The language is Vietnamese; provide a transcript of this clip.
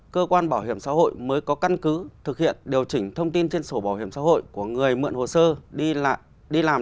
cơ quan bảo hiểm xã hội mới có căn cứ thực hiện điều chỉnh thông tin trên sổ bảo hiểm xã hội của người mượn hồ sơ đi làm